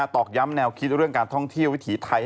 ตอกย้ำแนวคิดเรื่องการท่องเที่ยววิถีไทย